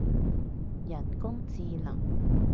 人工智能